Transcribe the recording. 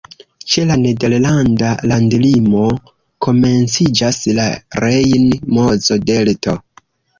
Ĉe la nederlanda landlimo komenciĝas la Rejn-Mozo-Delto.